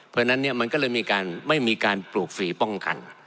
เพราะฉะนั้นเนี่ยมันก็เลยไม่มีการปลูกฝีป้องกัน